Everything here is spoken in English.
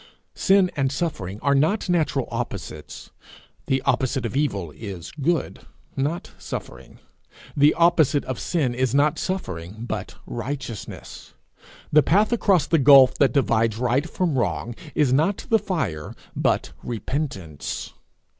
Sin and suffering are not natural opposites; the opposite of evil is good, not suffering; the opposite of sin is not suffering, but righteousness. The path across the gulf that divides right from wrong is not the fire, but repentance.